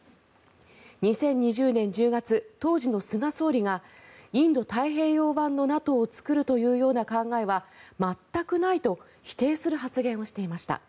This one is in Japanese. ２０２０年１０月当時の菅総理がインド太平洋版のＮＡＴＯを作るというような考えは全くないと否定する発言をしていました。